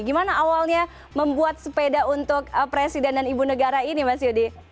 gimana awalnya membuat sepeda untuk presiden dan ibu negara ini mas yudi